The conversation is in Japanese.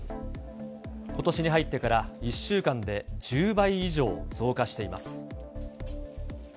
ことしに入ってから１週間で１０倍以上増加しています。